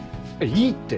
いいって！